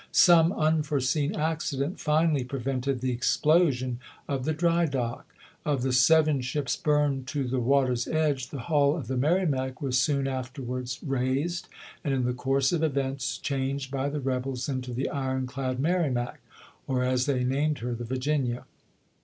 Some unforeseen accident finally prevented the explosion of the dry dock. Of the seven ships burned to the water's edge, the hull of the Merrimac was soon afterwards raised, and in the course of events changed by the rebels into the iron clad Merrimac, or, as they named her, the Virginia.